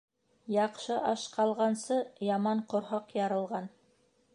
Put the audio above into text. Яҡшы аш ҡалғансы, яман ҡорһаҡ ярылған.